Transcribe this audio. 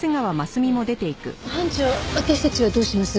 班長私たちはどうします？